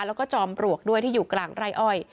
แล้วก็จอมปลวกด้วยที่อยู่กลางไร่อ้อย